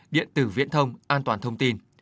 điện tử viễn thông an toàn thông tin